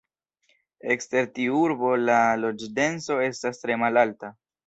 Ekster tiu urbo la loĝdenso estas tre malalta.